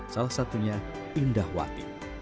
salah satunya indahwati